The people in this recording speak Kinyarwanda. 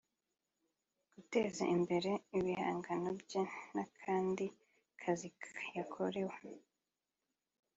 guteza imbere ibihangano bye n’akandi kazi yakorewe